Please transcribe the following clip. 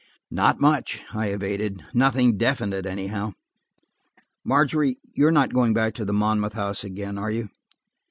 "Not much," I evaded. "Nothing definite, anyhow. Margery, you are not going back to the Monmouth Avenue house again, are you?"